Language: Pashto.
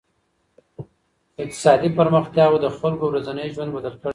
اقتصادي پرمختياوو د خلګو ورځنی ژوند بدل کړی دی.